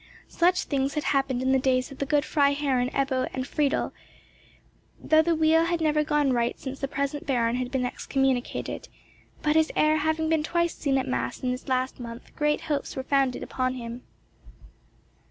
Such things had happened in the days of the good Freiherren Ebbo and Friedel, though the wheel had never gone right since the present baron had been excommunicated; but his heir having been twice seen at mass in this last month great hopes were founded upon him.